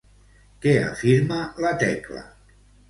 Què afirma la Tecla?